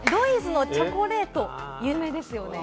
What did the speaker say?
’のチョコレート、有名ですよね。